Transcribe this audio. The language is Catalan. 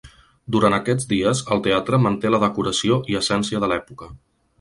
Durant aquests dies, el teatre manté la decoració i essència de l’època.